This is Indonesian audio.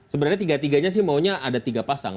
sebenarnya tiga tiganya sih maunya ada tiga pasang